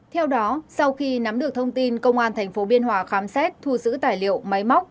theo đó sau khi nắm được thông tin công an tp biên hòa khám xét thu giữ tài liệu máy móc